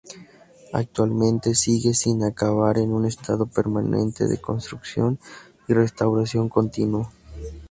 Actualmente sigue sin acabar, en un estado permanente de construcción y restauración continuo.